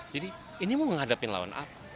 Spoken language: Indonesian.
jadi ini mau menghadapin lawan apa